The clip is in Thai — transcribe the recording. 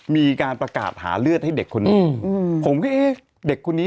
มีการประกาศหาเลือดให้เด็กคนนี้